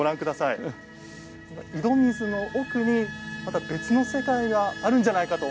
井戸水の奥に、また別の世界があるんじゃないかと